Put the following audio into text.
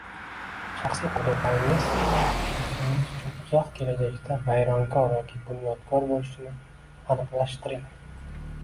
Shaxsiy qadriyatlaringiz o’zingiz uchun uzoq kelajakda vayronkor yoki bunyodkor bo’lishini aniqlashtiring